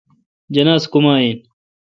جناز کوما این۔